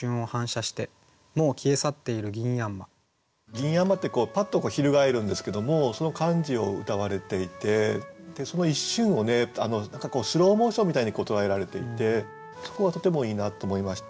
銀蜻蜒ってパッと翻るんですけどもその感じをうたわれていてその一瞬をスローモーションみたいに捉えられていてそこがとてもいいなと思いました。